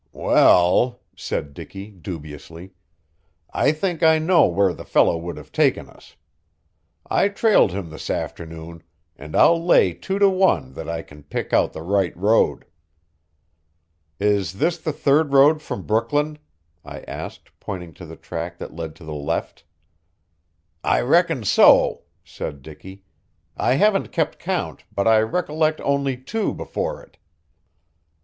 "Well," said Dicky dubiously, "I think I know where the fellow would have taken us. I trailed him this afternoon, and I'll lay two to one that I can pick out the right road." "Is this the third road from Brooklyn?" I asked pointing to the track that led to the left. "I reckon so," said Dicky. "I haven't kept count, but I recollect only two before it."